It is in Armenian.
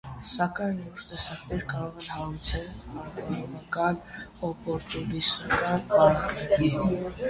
Սակայն որոշ տեսակներ կարող են հարուցել հարմարողական (օպորտունիստական) վարակներ։